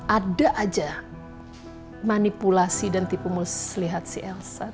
ada aja manipulasi dan tipu muslihat si elsa